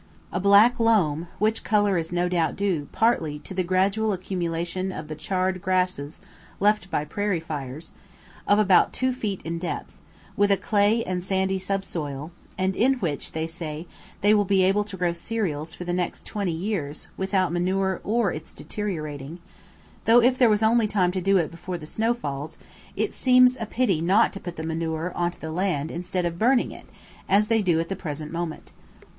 A black loam (which colour is no doubt due, partly, to the gradual accumulation of the charred grasses left by prairie fires), of about two feet in depth, with a clay and sandy sub soil, and in which, they say, they will be able to grow cereals for the next twenty years, without manure or its deteriorating; though if there was only time to do it before the snow falls, it seems a pity not to put the manure on to the land instead of burning it, as they do at the present moment.